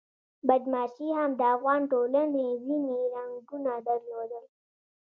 بدماشي هم د افغان ټولنې ځینې رنګونه درلودل.